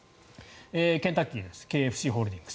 ケンタッキーですＫＦＣホールディングス。